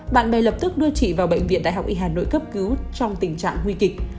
bạn bè lập tức đưa chị vào bệnh viện đại học y hà nội cấp cứu trong tình trạng nguy kịch